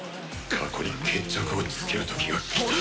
過去に決着をつける時がきた。